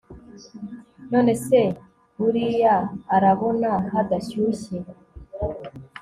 none se buria arabona hadashyushye